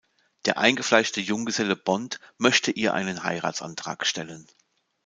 Der eingefleischte Junggeselle Bond möchte ihr einen Heiratsantrag stellen.